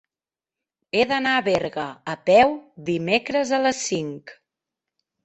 He d'anar a Berga a peu dimecres a les cinc.